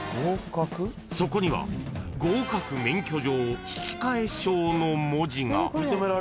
［そこには「合格免許状引替え証」の文字が］